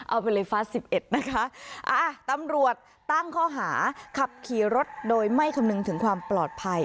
เอาไปเลยฟ้าสิบเอ็ดนะคะตำรวจตั้งข้อหาขับขี่รถโดยไม่คำนึงถึงความปลอดภัย